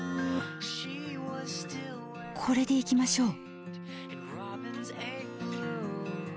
これでいきましょう。